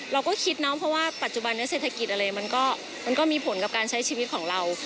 เราก็คิดเนาะเพราะว่าปัจจุบันนี้เศรษฐกิจอะไรมันก็มีผลกับการใช้ชีวิตของเรา